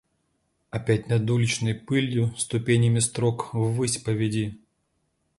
Опять над уличной пылью ступенями строк ввысь поведи!